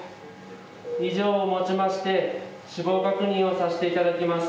以上をもちまして死亡確認をさして頂きます。